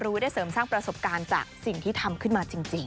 ได้เสริมสร้างประสบการณ์จากสิ่งที่ทำขึ้นมาจริง